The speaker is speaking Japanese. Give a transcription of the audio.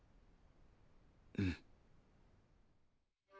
うん。